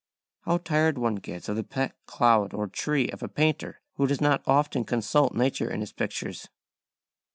How tired one gets of the pet cloud or tree of a painter who does not often consult nature in his pictures.